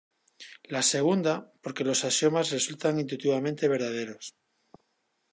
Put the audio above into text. La segunda, porque los axiomas resultan intuitivamente verdaderos.